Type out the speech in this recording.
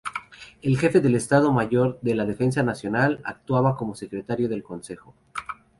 El jefe del Estado Mayor de la Defensa Nacional actuaba como secretario del Consejo.